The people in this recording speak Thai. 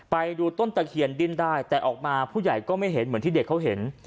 ไปดูต้นตะเคียนดิ้นได้แต่ออกมาผู้ใหญ่ก็ไม่เห็นเหมือนที่เด็กเขาเห็น